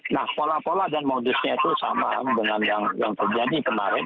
nah pola pola dan modusnya itu sama dengan yang terjadi kemarin